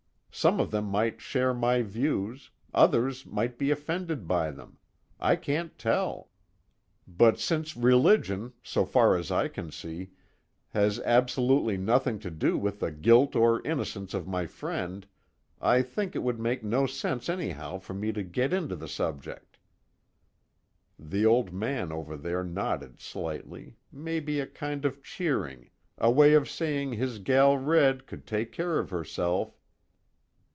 Some of them might share my views, others might be offended by them I can't tell. But since religion, so far as I can see, has absolutely nothing to do with the guilt or innocence of my friend, I think it would make no sense anyhow for me to get into the subject." The Old Man over there nodded slightly, maybe a kind of cheering, a way of saying his gal Red could take care of herself.